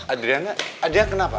adriana adriana kenapa